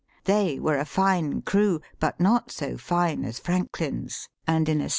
They were a fine crew (but not so fine as Franklin's), and in a state VOL.